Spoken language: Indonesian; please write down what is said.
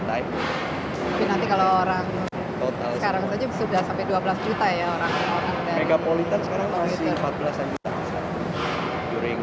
tapi nanti kalau orang sekarang saja sudah sampai dua belas juta ya orang orang